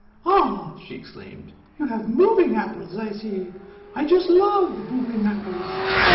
"Ah!" she exclaimed, "you have moving apples, I see. I just love moving apples."